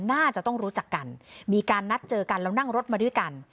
น่าจะต้องรู้จักกันมีการนัดเจอกันแล้วนั่งรถมาด้วยกัน